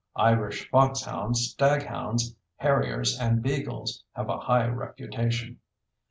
Irish foxhounds, staghounds, harriers, and beagles have a high reputation.